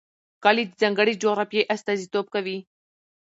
کلي د ځانګړې جغرافیې استازیتوب کوي.